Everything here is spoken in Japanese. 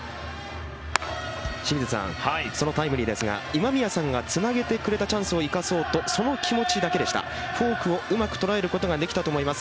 清水さんそのタイムリーですが今宮さんがつなげてくれたチャンスを生かそうとその気持ちだけでしたフォークをうまく捉えることができたと思います。